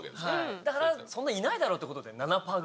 だからそんないないだろうと７パー。